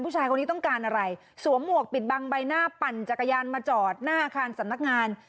ผู้ชายคนนี้ต้องการอะไรสวมหมวกปิดบังใบหน้าปั่นจักรยานมาจอดหน้าอาคารสำนักงาน